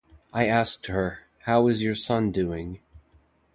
I asked her, 'How is your son doing?